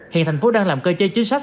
hiện thành phố đang làm cơ chế chính sách